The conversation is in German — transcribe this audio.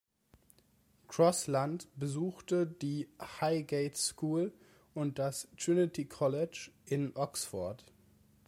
Crosland besuchte die Highgate School und das Trinity College in Oxford.